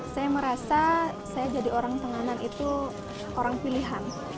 saya merasa saya jadi orang tenganan itu orang pilihan